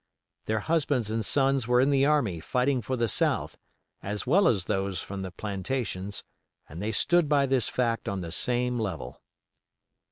Their husbands and sons were in the army fighting for the South, as well as those from the plantations, and they stood by this fact on the same level.